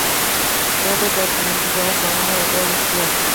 Later that month the governor abolished the assembly.